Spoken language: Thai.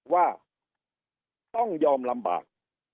ว่าต้องยอมลำบาก